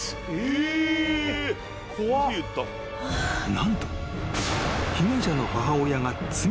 ［何と］